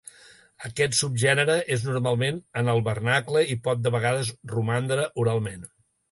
Aquest subgènere és normalment en el vernacle i pot de vegades romandre oralment.